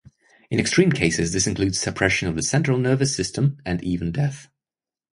In extreme cases this includes suppression of the central nervous system and even death.